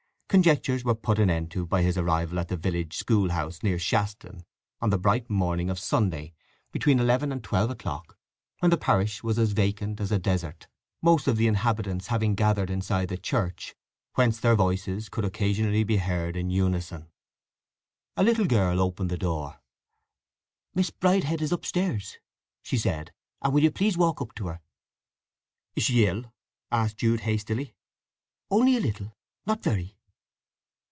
Conjectures were put an end to by his arrival at the village school house near Shaston on the bright morning of Sunday, between eleven and twelve o'clock, when the parish was as vacant as a desert, most of the inhabitants having gathered inside the church, whence their voices could occasionally be heard in unison. A little girl opened the door. "Miss Bridehead is up stairs," she said. "And will you please walk up to her?" "Is she ill?" asked Jude hastily. "Only a little—not very."